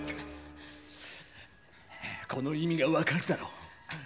この意味が分かるだろ？